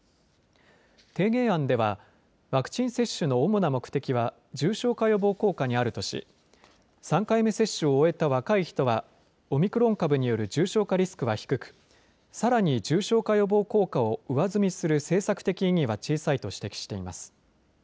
提言案ではワクチン接種の主な目的は重症化予防効果にあるとし３回目接種を終えた若い人はオミクロン株による重症化リスクは低くさらに重症化予防効果を上積みする政策的意義は小さいと指摘しています。